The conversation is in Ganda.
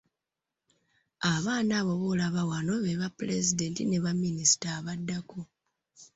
Abaana abo b'olaba wano be bapulezidenti ne baminisita abaddako.